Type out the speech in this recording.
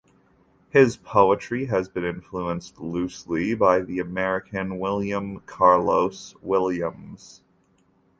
His poetry has been influenced loosely by the American William Carlos Williams.